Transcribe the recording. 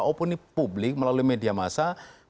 walaupun ini publik melalui media massa